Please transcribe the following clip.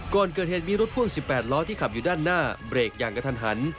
ก่อนเกิดเหตุมีรถพ่วง๑๘ล้อที่ขับอยู่ด้านหน้าเบรกอย่างกระทันหัน